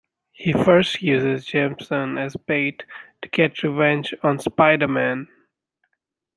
He first uses Jameson as bait to get revenge on Spider-Man.